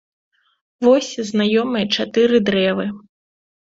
Вось знаёмыя чатыры дрэвы.